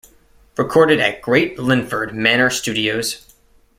Recorded at Great Linford Manor Studios.